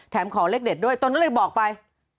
แถมขอเลขเด็ดด้วยตอนนั้นก็เลยบอกไป